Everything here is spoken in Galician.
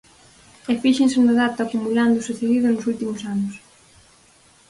E fíxense no dato acumulando o sucedido nos últimos anos.